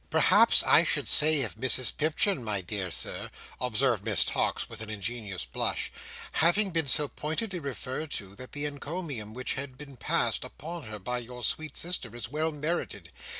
"Perhaps I should say of Mrs Pipchin, my dear Sir," observed Miss Tox, with an ingenuous blush, "having been so pointedly referred to, that the encomium which has been passed upon her by your sweet sister is well merited.